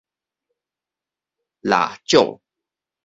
臘掌